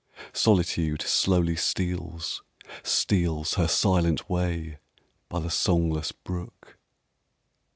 Solitude slowly steals, Steals Her silent way By the songless brook.